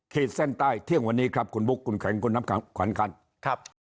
ขีดเส้นใต้เที่ยงวันนี้ครับคุณบุ๊คคุณแข็งคุณน้ำแข็งขวัญครับ